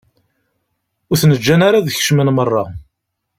Ur ten-ǧǧan ara ad kecmen merra.